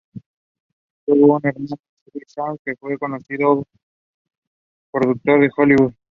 Tuvo un hermano, David Shaw, que fue un conocido productor en Hollywood.